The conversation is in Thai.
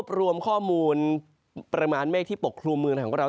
จากภาพถ่ายจะสังเกตว่าเป็นการรวบรวมข้อมูลประมาณเมฆที่ปกคลุมเมืองไทยของเรา